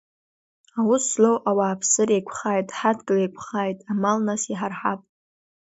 Аус злоу, ауааԥсыра еиқәхааит, ҳадгьыл еиқәхааит, амал нас иҳарҳап!